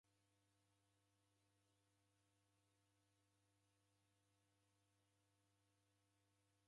Nivikagha kiduo cha basi saa irandadu huw'u ra dime.